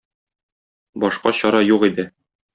Башка чара юк иде.